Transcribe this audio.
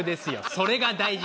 『それが大事』。